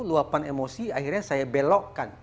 luapan emosi akhirnya saya belokkan